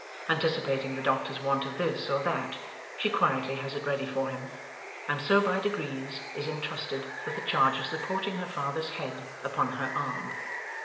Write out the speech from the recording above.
Anticipating the doctor's want of this or that, she quietly has it ready for him, and so by degrees is intrusted with the charge of supporting her father's head upon her arm.